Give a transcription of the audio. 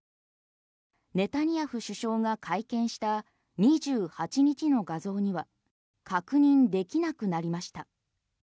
ネタニヤフ首相が会見した２８日の画像には確認できなくなりました。